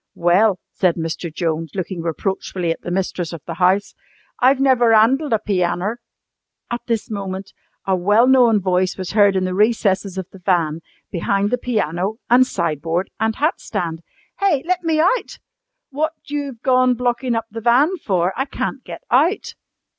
"Well," said Mr. Jones, looking reproachfully at the mistress of the house, "I've never 'andled a pianner " At this moment a well known voice was heard in the recesses of the van, behind the piano and sideboard and hat stand. "Hey! let me out! What you've gone blockin' up the van for? I can't get out!"